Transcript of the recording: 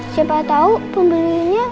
siapa tau pembelinya